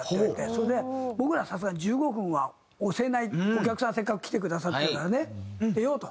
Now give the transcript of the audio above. それで僕らはさすがに１５分は押せないお客さんせっかく来てくださってるからね出ようと。